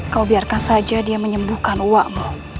kau biarkan saja dia menyembuhkan uap